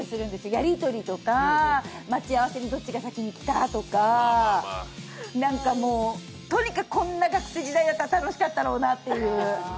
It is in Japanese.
やりとりとか、待ち合わせにどっちが先に来たとかなんかもう、とにかくこんな学生時代だったら楽しかっただろうなって。